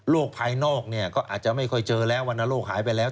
โรคภายนอกก็อาจจะไม่ค่อยเจอแล้ววันนโรคหายไปแล้ว